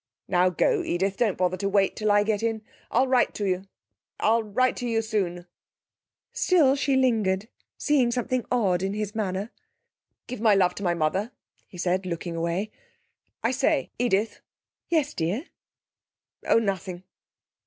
'Now go, Edith. Don't bother to wait till I get in. I'll write to you I'll write to you soon.' She still lingered, seeing something odd in his manner. 'Give my love to my mother,' he said, looking away. 'I say ' Edith.' 'Yes, dear?' 'Oh, nothing.'